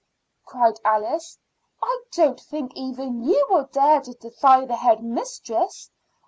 cried Alice. "I don't think even you will dare to defy the head mistress.